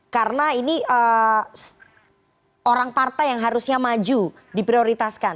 karena ini orang partai yang harusnya maju diprioritaskan